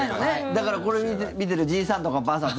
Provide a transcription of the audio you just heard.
だから、これを見てるじいさんとかばあさん